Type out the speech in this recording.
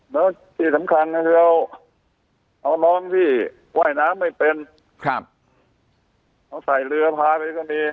แล้วที่สำคัญก็คือเราเอาน้องที่ว่ายน้ำไม่เป็นครับเอาใส่เรือพาไปก็มี